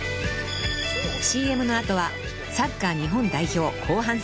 ［ＣＭの後はサッカー日本代表後半戦］